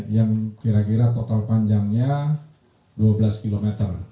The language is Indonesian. yang kira kira total panjangnya dua belas km